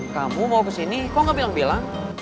kamu mau kesini kok gak bilang bilang